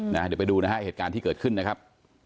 เดี๋ยวไปดูนะฮะเหตุการณ์ที่เกิดขึ้นนะครับ